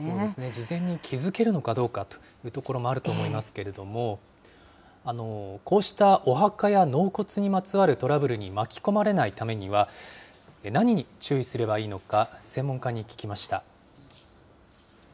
事前に気付けるのかどうかというところもあると思いますけれども、こうしたお墓や納骨にまつわるトラブルに巻き込まれないためには、何に注意すればいいのか、専門家に聞きました。